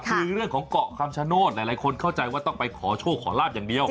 คือเรื่องของเกาะคำชโนธหลายคนเข้าใจว่าต้องไปขอโชคขอลาบอย่างเดียว